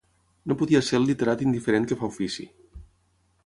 No podia ser el literat indiferent que fa ofici